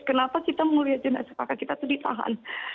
kenapa kita mau lihat jenazah kakak kita tuh ditahan